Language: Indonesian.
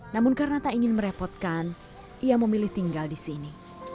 namun karena tak ingin merepotkan ia memilih tinggal di sini